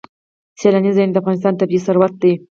سیلانی ځایونه د افغانستان طبعي ثروت دی.